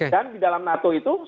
dan di dalam nato itu